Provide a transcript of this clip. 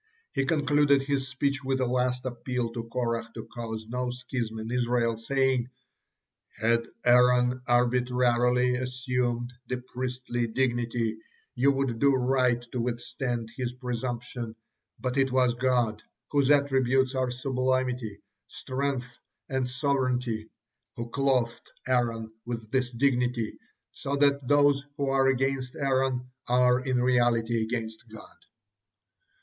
He concluded his speech with a last appeal to Korah to cause no schism in Israel, saying; "Had Aaron arbitrarily assumed the priestly dignity, you would do right to withstand his presumption, but it was God, whose attributes are sublimity, strength, and sovereignty, who clothed Aaron with this dignity, so that those who are against Aaron are in reality against God."